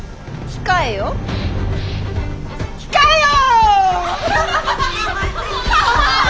控えよ！